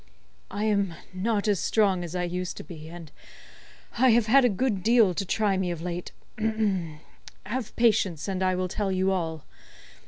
"I am not as strong as I used to be, and I have had a good deal to try me of late. Have patience and I will tell you all.